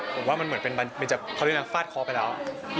ผมว่ามันเหมือนเป็นบรรยาภาษณ์ฟาดคอไปแล้ว